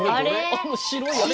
あの白いやつ。